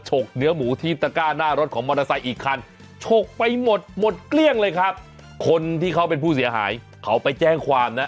กเนื้อหมูที่ตะก้าหน้ารถของมอเตอร์ไซค์อีกคันฉกไปหมดหมดเกลี้ยงเลยครับคนที่เขาเป็นผู้เสียหายเขาไปแจ้งความนะ